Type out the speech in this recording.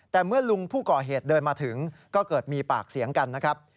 แต่เมื่อลุงผู้ก่อเหตุเดินมาถึงก็เกิดมีปากเสียงกันนะครับ